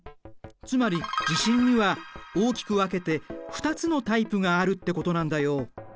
つまり地震には大きく分けて２つのタイプがあるってことなんだよ。